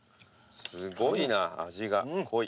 すごいな味が濃い。